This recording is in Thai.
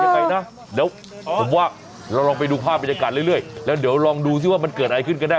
แยกไก่นะผมว่าเราไปหนูภาพบรรยาการเรื่อยแล้วเดี๋ยวลองดูสิว่ามันเกิดอะไรขึ้นกันได้